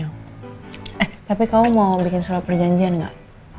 eh tapi kamu mau bikin surat perjanjian gak